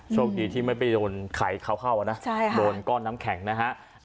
โชคดีที่ไม่ไปโดนไขเขาเข้านะโดนก้อนน้ำแข็งนะฮะ